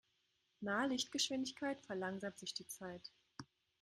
Nahe Lichtgeschwindigkeit verlangsamt sich die Zeit.